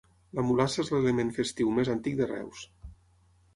La mulassa és l'element festiu més antic de Reus.